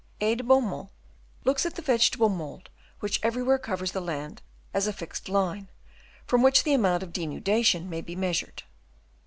E. de Beaumont looks at the vegetable mould which every where covers the land as a fixed line, from which the amount of denudation may be measured.